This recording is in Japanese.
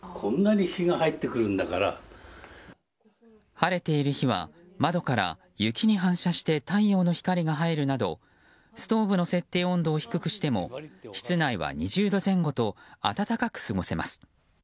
晴れている日は窓から雪に反射して太陽の光が入るなどストーブの設定温度を低くしても室内は２０度前後と暖かく過ごせます。